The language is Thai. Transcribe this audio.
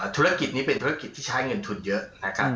ธุรกิจนี้เป็นธุรกิจที่ใช้เงินทุนเยอะนะครับ